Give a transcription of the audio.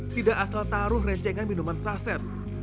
tidak asal taruh rencengan minuman saset